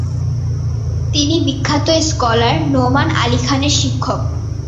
তিনি বিখ্যাত স্কলার নোমান আলী খানের শিক্ষক।